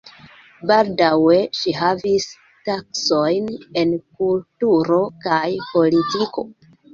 Baldaŭe ŝi havis taskojn en kulturo kaj politiko.